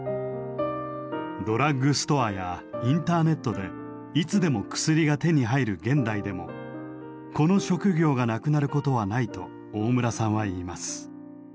ドラッグストアやインターネットでいつでも薬が手に入る現代でもこの職業がなくなることはないと大村さんは言います。